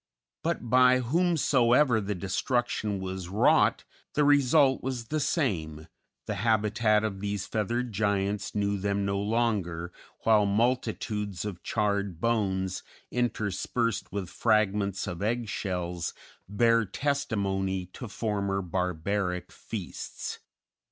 But by whomsoever the destruction was wrought, the result was the same, the habitat of these feathered giants knew them no longer, while multitudes of charred bones, interspersed with fragments of egg shells, bear testimony to former barbaric feasts.